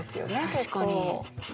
確かに。